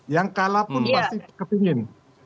yang kalah pun pasti kepingin